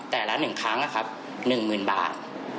แต่ละหนึ่งครั้งนะครับหนึ่งหมื่นบาท